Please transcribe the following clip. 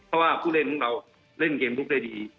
เพราะว่าผู้เล่นของเราเล่นเกมลุกได้ดี